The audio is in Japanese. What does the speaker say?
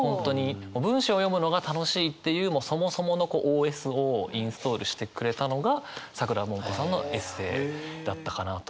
もう文章読むのが楽しいっていうもうそもそものＯＳをインストールしてくれたのがさくらももこさんのエッセーだったかなと思います。